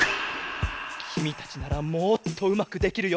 きみたちならもっとうまくできるよ！